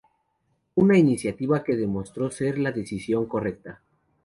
Una iniciativa que demostró ser la decisión correcta.